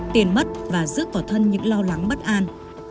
tiền mất và rước vào thân những lo lắng bất an